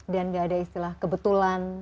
dan gak ada istilah kebetulan